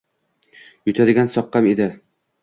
Yutadigan soqqam edi.